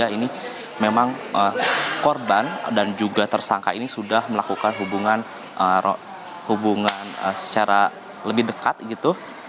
ini memang korban dan juga tersangka ini sudah melakukan hubungan secara lebih dekat gitu